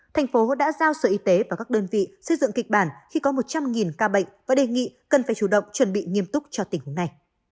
thành phố đã giao sở y tế và các đơn vị xây dựng kịch bản khi có một trăm linh ca bệnh và đề nghị cần phải chủ động chuẩn bị nghiêm túc cho tình huống này